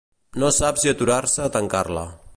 No sap si aturar-se a tancar-la.